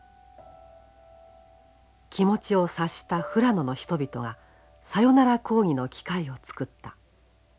気持ちを察した富良野の人々がさよなら講義の機会を作った。